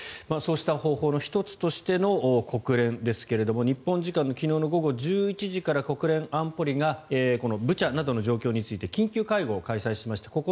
そうした方法の１つとしての国連ですが日本時間昨日午後１１時から国連安保理がブチャなどの状況について緊急会合を開催しました。